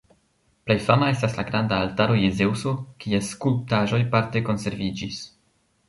Plej fama estas la granda Altaro je Zeŭso, kies skulptaĵoj parte konserviĝis.